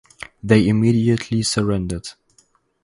They immediately surrendered.